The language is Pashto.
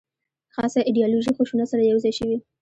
خاصه ایدیالوژي خشونت سره یو ځای شوې.